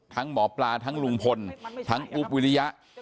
หมอปลาทั้งลุงพลทั้งอุ๊บวิริยะ